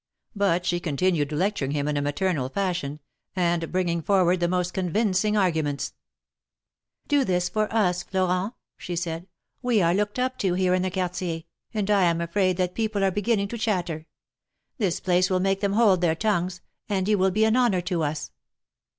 But she continued lecturing him in a maternal fashion, and bringing forward the most convincing arguments. " Do this for us, Florent," she said ;" we are looked up to here in the Quartier, and I am afraid that people are 122 THE MARKETS OF PARIS. beginning to chatter. This place will make them hold their tongues, and you will be an honor to us."